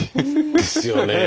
ですよね。